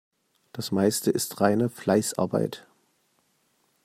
Das Meiste ist reine Fleißarbeit.